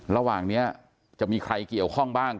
ระหว่างนี้จะมีใครเกี่ยวข้องบ้าง